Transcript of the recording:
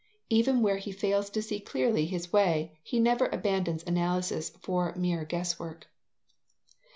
Even where he fails to see clearly his way, he never abandons analysis for mere guess work.